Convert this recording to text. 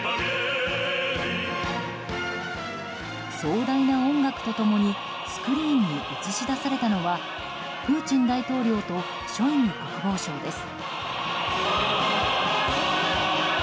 壮大な音楽と共にスクリーンに映し出されたのはプーチン大統領とショイグ国防相です。